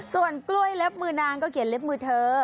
ส่วนกล้วยเล็บมือนางก็เขียนเล็บมือเธอ